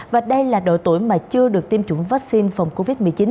và đây là độ tuổi mà chưa được tiêm chủng vaccine phòng covid một mươi chín